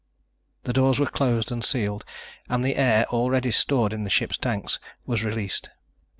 The doors were closed and sealed and the air, already stored in the ship's tanks, was released.